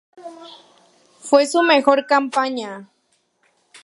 Fue su mejor campaña.